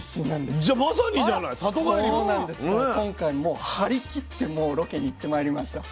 だから今回もう張り切ってロケに行ってまいりました。